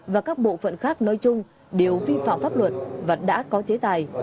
và các bộ phận khác nói chung đều vi phạm pháp luật và đã có chế tài